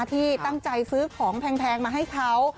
ที่ตั้งใจซื้อของแพงมาให้เขา